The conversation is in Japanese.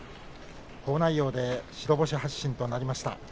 好内容で白星発進となりました。